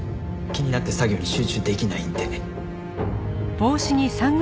気になって作業に集中できないんで。